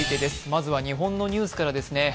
まずは日本のニュースからですね。